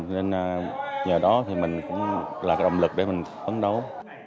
nên nhờ đó thì mình cũng là cái động lực để mình phấn đấu